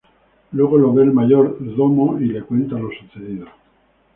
Luego lo ve al mayordomo y le cuenta lo sucedido.